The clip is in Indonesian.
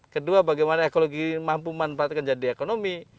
kedua bagaimana ekologi mampu memanfaatkan jadi ekonomi